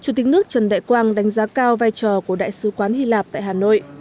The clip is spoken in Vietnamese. chủ tịch nước trần đại quang đánh giá cao vai trò của đại sứ quán hy lạp tại hà nội